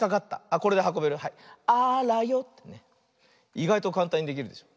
いがいとかんたんにできるでしょ。